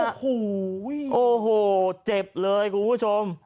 โอ้โหโอ้โหเจ็บเลยคุณผู้ชม